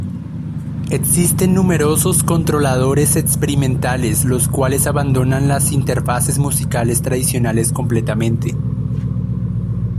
Existen numerosos controladores experimentales los cuales abandonan las interfaces musicales tradicionales completamente.